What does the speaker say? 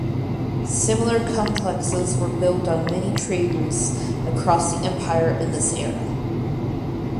Similar complexes were built on many trade routes across the empire in this era.